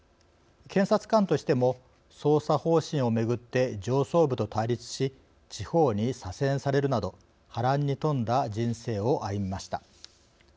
検察官としても捜査方針をめぐって上層部と対立し地方に左遷されるなど波乱に富んだ人生を歩みました。